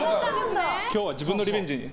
今日は自分のリベンジに。